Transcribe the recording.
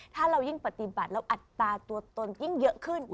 ถ้าเรายิ่งปฏิบัติแล้วอัตราตัวตนยิ่งเยอะขึ้น